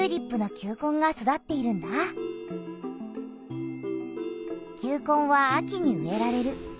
球根は秋に植えられる。